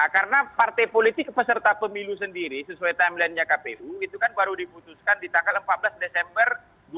karena partai politik peserta pemilu sendiri sesuai timeline nya kpu itu kan baru diputuskan di tanggal empat belas desember dua ribu dua puluh dua